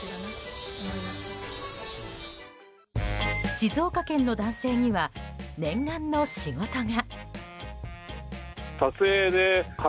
静岡県の男性には念願の仕事が。